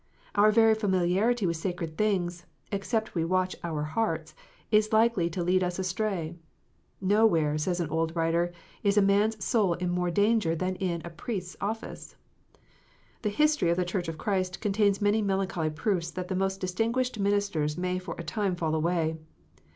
Our very familiarity with sacred things, except we watch our hearts, is likely to lead us astray. " Nowhere," says an old writer, "is a man s soul in more danger than in a priest s office." The history of the Church of Christ contains many melancholy proofs that the most distinguished ministers may for a time fall away.